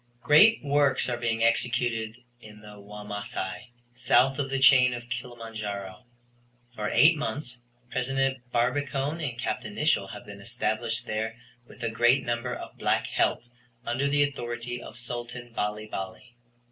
Great works are being executed in the Wamasai, south of the chain of Kilimanjaro. For eight months President Barbicane and Capt. Nicholl have been established there with a great number of black help under the authority of Sultan Bali Bali.